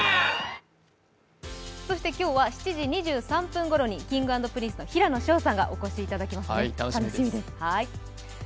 今日は７時２３分ごろにＫｉｎｇ＆Ｐｒｉｎｃｅの平野紫耀さんがお越しいただきますね。